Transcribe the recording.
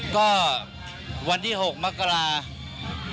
ก็วันที่๖มกราคม